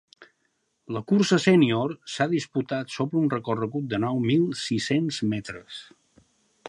La cursa sènior s’ha disputat sobre un recorregut de nou mil sis-cents metres.